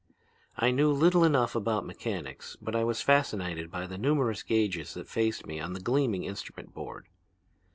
"I knew little enough about mechanics, but I was fascinated by the numerous gauges that faced me on the gleaming instrument board.